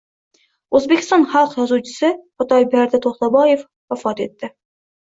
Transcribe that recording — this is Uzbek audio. O‘zbekiston xalq yozuvchisi Xudoyberdi To‘xtaboyev vafot etdi.